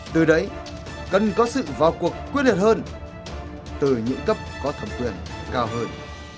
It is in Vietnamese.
từ đấy cần có sự vào cuộc quyết định hơn từ những cấp có thẩm quyền cao hơn